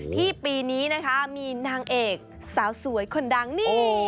ปีนี้นะคะมีนางเอกสาวสวยคนดังนี่